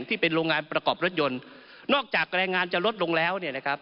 ที่เป็นโรงงานประกอบรถยนต์นอกจากแรงงานจะลดลงแล้วเนี่ยนะครับ